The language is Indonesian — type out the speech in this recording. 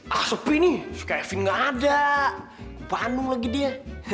asep ini kevin ada panu lagi dia